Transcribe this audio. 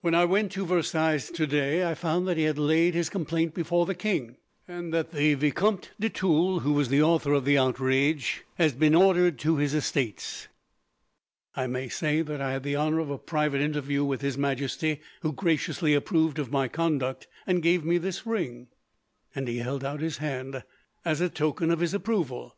"When I went to Versailles, today, I found that he had laid his complaint before the king, and that the Vicomte de Tulle, who was the author of the outrage, had been ordered to his estates. I may say that I had the honour of a private interview with His Majesty, who graciously approved of my conduct, and gave me this ring," and he held out his hand, "as a token of his approval."